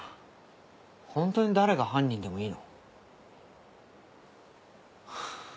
本当に誰が犯人でもいいの？